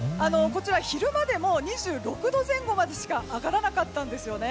昼間でも２６度前後までしか上がらなかったんです。